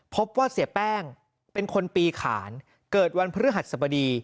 พบว่าเสียแป้งเป็นคนปีขานเกิดวันพฤหัสสบดี